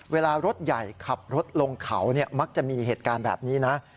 เวลารถใหญ่ขับรถลงเขามักจะมีเหตุการณ์แบบนี้นะ